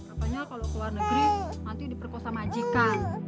apanya kalau keluar negeri nanti diperkosa majikan